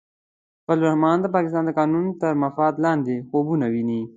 فضل الرحمن د پاکستان د قانون تر مفاد لاندې خوبونه ویني.